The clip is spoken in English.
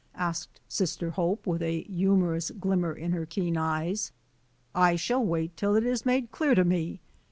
asked Sister Hope, with a humorous glim mer in her keen eyes. " I shall wait till it is made clear to me.